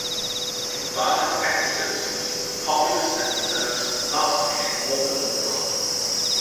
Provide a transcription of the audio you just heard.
Violent episodes between the populace and the Turks thus became more and more common.